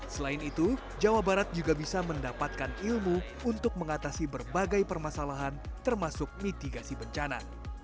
selain itu jawa barat juga bisa mendapatkan ilmu untuk mengatasi berbagai permasalahan termasuk mitigasi bencana